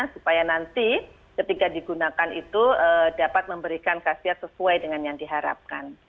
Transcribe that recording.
supaya nanti ketika digunakan itu dapat memberikan kasiat sesuai dengan yang diharapkan